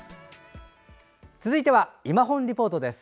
続いては「いまほんリポート」です。